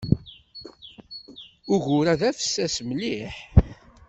Ugur-a d afessas mliḥ.